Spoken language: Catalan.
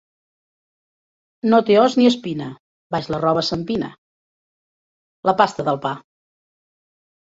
No té os ni espina, baix la roba s’empina: la pasta del pa.